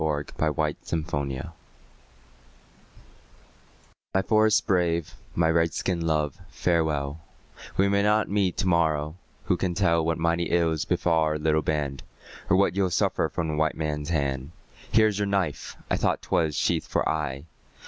A CRY FROM AN INDIAN WIFE My forest brave, my Red skin love, farewell; We may not meet to morrow; who can tell What mighty ills befall our little band, Or what you'll suffer from the white man's hand? Here is your knife! I thought 'twas sheathed for aye.